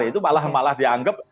itu malah malah dianggap